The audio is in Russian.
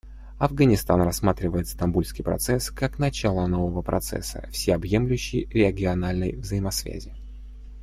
Афганистан рассматривает Стамбульский процесс как начало нового процесса всеобъемлющей региональной взаимосвязи.